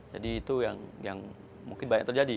jadi itu yang mungkin banyak terjadi